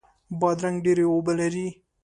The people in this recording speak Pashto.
بادرنګ ډیرې اوبه لري.